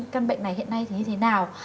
căn bệnh này hiện nay thì như thế nào